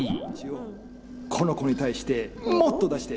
この子に対してもっと出して！